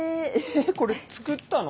これ作ったの？